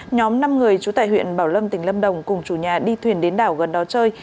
nhóm năm người trú tại huyện bảo lâm tỉnh lâm đồng cùng chủ nhà đi thuyền đến đảo gần đó chơi